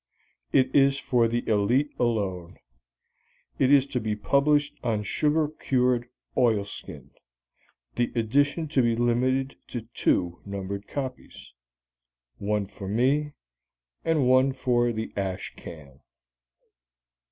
It is for the élite alone. It is to be published on sugar cured oilskin, the edition to be limited to two numbered copies one for me and one for the ashcan.